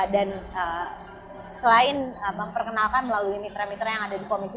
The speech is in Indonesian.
dan selain memperkenalkan melalui mitra mitra yang ada di komisi sebelas